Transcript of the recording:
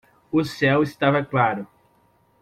O céu estava claro.